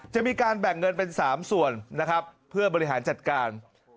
จะมีการแบ่งเงินเป็น๓ส่วนนะครับเพื่อบริหารจัดการ